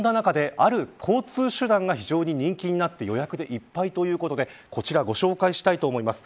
そんな中で、ある交通手段が非常に人気になって予約でいっぱいということでご紹介したいと思います。